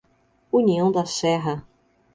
União da Serra